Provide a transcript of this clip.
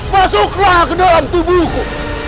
masuklah ke dalam tubuhku